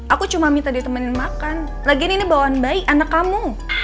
aku cuma minta ditemenin makan lagiin ini bawaan baik anak kamu